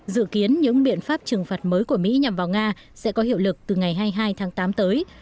dự kiến những biện pháp trừng phạt mới của mỹ nhằm vào nga sẽ có hiệu lực từ ngày hai mươi hai tháng tám tới